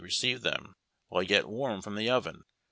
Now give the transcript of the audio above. received them while yet warm from the oven.